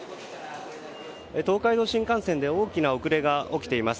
東海道新幹線で大きな遅れが起きています。